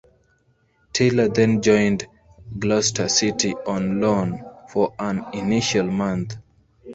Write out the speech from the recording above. Taylor then joined Gloucester City on loan for an initial month.